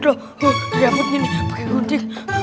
laku remut begini bagaingundi